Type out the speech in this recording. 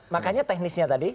makanya teknisnya tadi